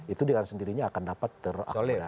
itu dengan sendirinya akan dapat terakomodasi